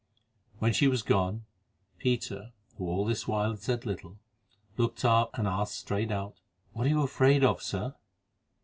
When she was gone, Peter, who all this while had said little, looked up and asked straight out: "What are you afraid of, Sir?"